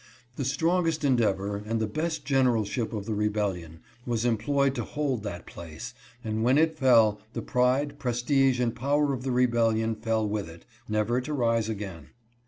The strongest endeavor, and the best generalship of the Rebellion, was employed to hold that place, and when it fell, the pride, prestige, and power of the rebellion fell with it, never to rise again.